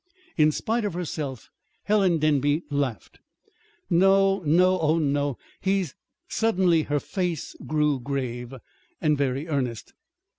In spite of herself Helen Denby laughed. "No, no, oh, no! He's " Suddenly her face grew grave, and very earnest.